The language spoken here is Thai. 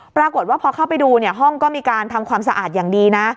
ปรากฏว่าพอเข้าไปดูเนี่ยห้องก็มีการทำความสะอาดอย่างดีนะ